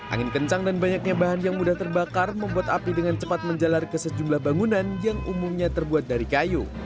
angin kencang dan banyaknya bahan yang mudah terbakar membuat api dengan cepat menjalar ke sejumlah bangunan yang umumnya terbuat dari kayu